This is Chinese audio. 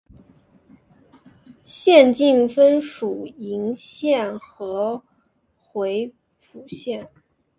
县境分属鄞县和回浦县。